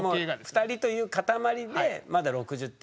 ２人という塊でまだ６０点。